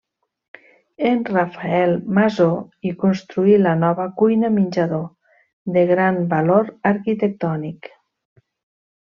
En Rafael Masó hi construí la nova cuina-menjador, de gran valor arquitectònic.